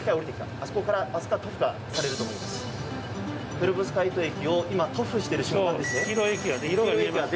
ペロブスカイト液を塗布している瞬間ですね。